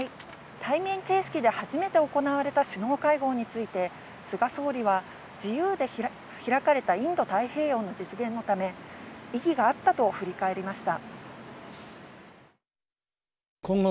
対面形式で初めて行われた首脳会合について、菅総理は自由で開かれたインド太平洋の実現のため意義があったと振り返りました。